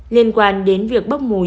liên quan đến việc bốc mùi